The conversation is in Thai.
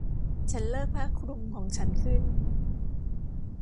ฉันเลิกผ้าคลุมของฉันขึ้น